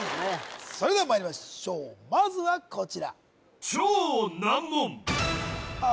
それではまいりましょうまずはこちらああ